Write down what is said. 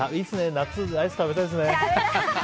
夏、アイス食べたいですね。